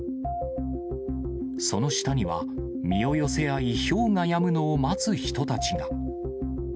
その下には、身を寄せ合い、ひょうがやむのを待つ人たちが。